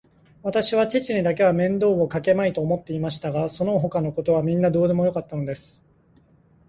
わたしは父にだけは面倒をかけまいと思っていましたが、そのほかのことはみんなどうでもよかったのです。